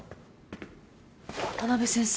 渡辺先生。